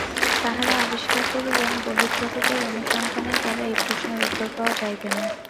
তাঁহারা আবিষ্কার করিলেন, বহির্জগতের অনুসন্ধানের দ্বারা এই প্রশ্নের উত্তর পাওয়া যাইবে না।